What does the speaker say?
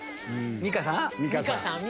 美香さん？